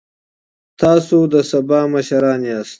تاسو د سبا مشران یاست.